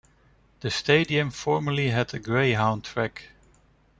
The stadium formerly had a greyhound track.